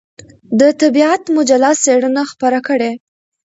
د طبعیت مجله څېړنه خپره کړه.